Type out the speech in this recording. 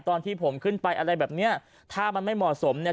ตอนที่ผมขึ้นไปอะไรแบบเนี้ยถ้ามันไม่เหมาะสมเนี่ย